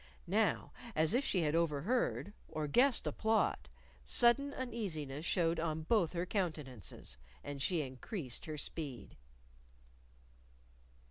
Now, as if she had overheard, or guessed a plot, sudden uneasiness showed on both her countenances, and she increased her speed.